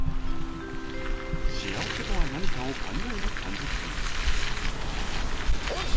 幸せとは何かを考える３０分です